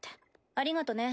ありがとね。